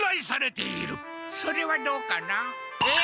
それはどうかな？え？